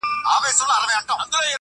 • بُت خانه به مي د زړه لکه حرم کا,